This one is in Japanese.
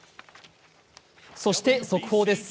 そして速報です。